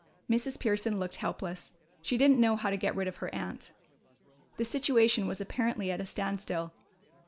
Mrs. Pearson looked helpless: she didn't know how to get rid of her aunt. The situation was apparently at a standstill.